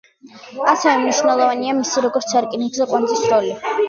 ასევე მნიშვნელოვანია მისი როგორც სარკინიგზო კვანძის როლი.